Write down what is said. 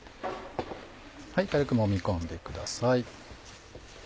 軽くもみ込んでください。